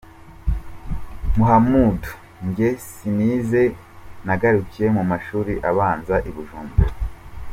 Muhamud: Njye sinize nagarukiye mu mashuri abanza i Bujumbura.